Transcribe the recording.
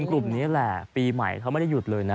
กลุ่มนี้แหละปีใหม่เขาไม่ได้หยุดเลยนะ